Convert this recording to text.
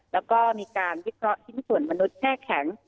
แล้วก็มีการวิเคราะห์ชิ้นส่วนมนุษย์แช่แข็ง